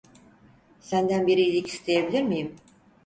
Senden bir iyilik isteyebilir miyim?